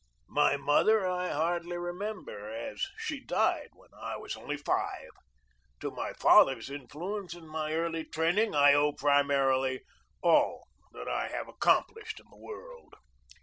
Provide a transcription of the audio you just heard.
My mother I hardly remember, as she died when I was only five. To my father's in fluence in my early training I owe, primarily, all that I have accomplished in the world.